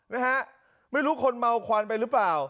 นะฮะไม่รู้คนเมาควันไปหรือเปล่า